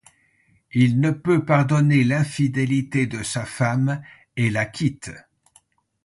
Il ne peut pardonner l'infidélité de sa femme et la quitte.